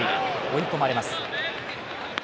追い込まれます。